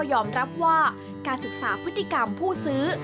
ยอมรับว่าการศึกษาพฤติกรรมผู้ซื้อ